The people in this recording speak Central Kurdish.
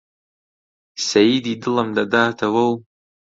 سەیدی دڵم دەداتەوە و